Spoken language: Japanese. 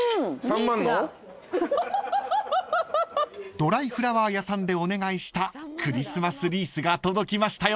［ドライフラワー屋さんでお願いしたクリスマスリースが届きましたよ］